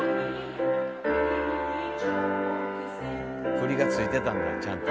振りが付いてたんだちゃんと。